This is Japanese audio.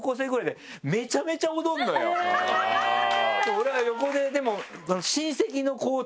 俺は横ででも。